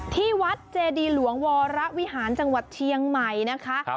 ที่วัดเจดีหลวงวรวิหารจังหวัดเชียงใหม่นะคะ